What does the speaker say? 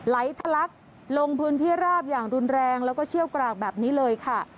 ไหลทะลักลงพื้นที่ราบอย่างรุนแรงแล้วก็เชี่ยวกรากแบบนี้เลยค่ะ